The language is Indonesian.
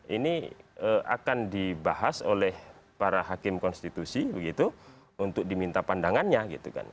ini akan dibahas oleh para hakim konstitusi begitu untuk diminta pandangannya gitu kan